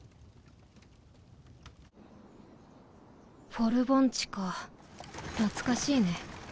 フォル盆地か懐かしいね。